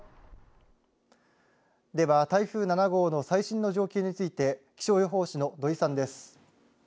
では台風７号の最新の状況について気象予報士の土井さんです。